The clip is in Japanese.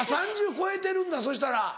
３０超えてるんだそしたら。